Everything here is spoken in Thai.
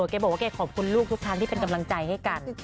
แกบอกว่าแกขอบคุณลูกทุกครั้งที่เป็นกำลังใจให้กัน